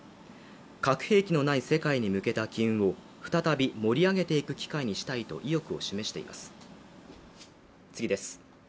核兵器のない世界に向けた機運を再び盛り上げていく機会にしたいと意欲を示しています。